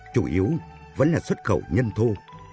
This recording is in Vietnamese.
chủ yếu vẫn là xuất khẩu nhân thô